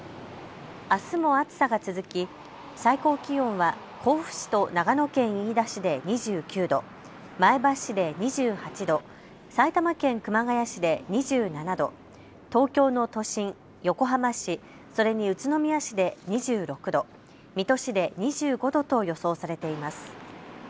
あすも暑さが続き、最高気温は甲府市と長野県飯田市で２９度、前橋市で２８度、埼玉県熊谷市で２７度、東京の都心、横浜市、それに宇都宮市で２６度、水戸市で２５度と予想されています。